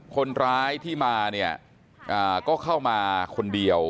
คนร้ายที่มาเนี่ยก็เข้ามาคนเดียว